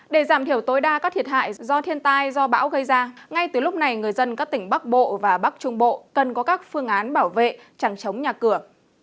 để giảm thiểu tối đa các thiệt hại do thiên tai do bão gây ra ngay từ lúc này người dân các tỉnh bắc bộ và bắc trung bộ cần có các phương án bảo vệ chẳng chống nhà cửa